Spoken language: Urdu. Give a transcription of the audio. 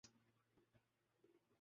یہ تو ہمارے ہاں ہے۔